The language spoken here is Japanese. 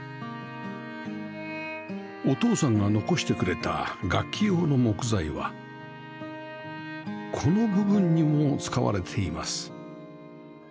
お父さんが残してくれた楽器用の木材はこの部分にも使われています